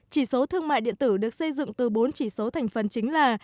chỉ số thương mại điện tử được xây dựng từ bốn chỉ số thành phần chính là